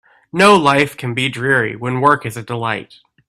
No life can be dreary when work is a delight.